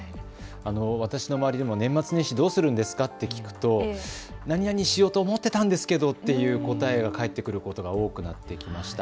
私の周りでも年末年始どうするんですかって聞くとなになにしようと思ってたんですけどという答えが帰ってくることが多くなってきました。